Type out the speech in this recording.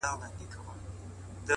• زه او ته چي پیدا سوي پاچاهان یو,